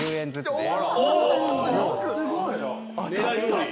すごい。